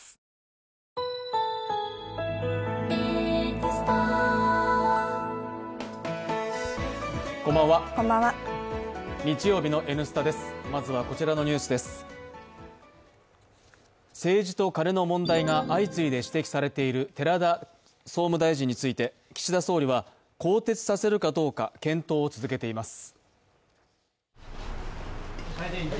政治とカネの問題が相次いで指摘されている寺田総務大臣について岸田総理は更迭させるかどうか検討を続けています。